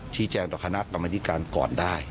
แจ้งต่อคณะกรรมธิการก่อนได้